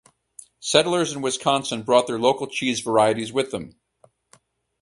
Settlers in Wisconsin brought their local cheese varieties with them.